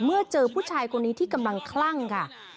เมื่อเจอผู้ชายคนนี้ที่กำลังคลั่งค่ะ